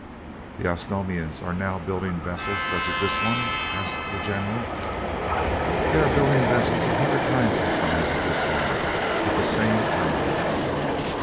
"The Osnomians are now building vessels such as this one?" asked the general. "They are building vessels a hundred times the size of this one, with the same armament."